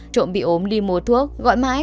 trộm bị ốm đi mua thuốc gọi máy